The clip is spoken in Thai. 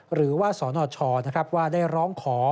หรือว่าสนชนะครับว่าได้ร้องขอ